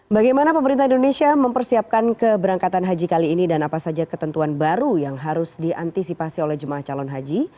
bagaimana pemerintah indonesia mempersiapkan keberangkatan haji kali ini dan apa saja ketentuan baru yang harus diantisipasi oleh jemaah calon haji